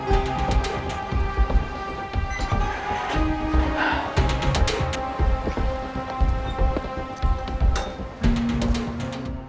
bukan orang serakah